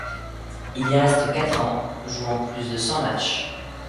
Il y reste quatre ans, jouant plus de cent matchs.